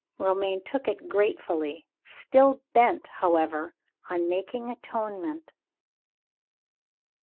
Romayne took it gratefully still bent, however, on making atonement.